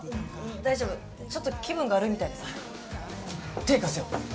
大丈夫ちょっと気分が悪いみたいでさ手貸すよ